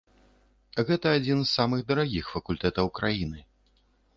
Гэта адзін з самых дарагіх факультэтаў краіны.